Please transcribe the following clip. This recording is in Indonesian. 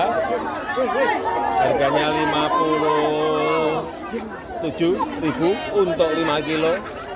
harganya rp lima puluh tujuh untuk lima kilo